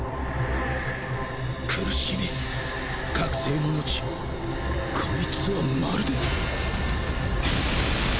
苦しみ覚醒の後こいつはまるで